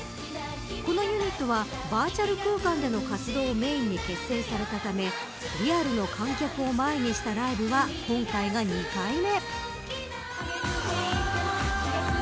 このユニットはバーチャル空間での活動をメーンに結成されたためリアルの観客を前にしたライブは今回が２回目。